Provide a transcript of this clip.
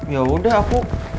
ya udah aku